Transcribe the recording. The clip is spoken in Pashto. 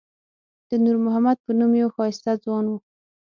د نور محمد په نوم یو ښایسته ځوان و.